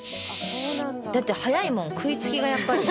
だって早いもん食い付きがやっぱり。